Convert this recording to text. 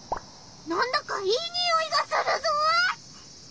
なんだかいいにおいがするぞ！